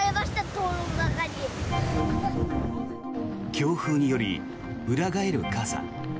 強風により裏返る傘。